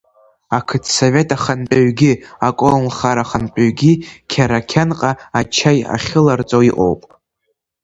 Ақыҭсовет ахантәаҩгьы аколнхара ахантәаҩгьы Қьарақьанҟа ачаи ахьыларҵо иҟоуп.